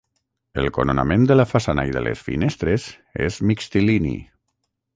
El coronament de la façana i de les finestres és mixtilini.